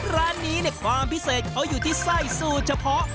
ร้านนี้ความพิเศษเขาอยู่ที่ไส้สูตรเฉพาะ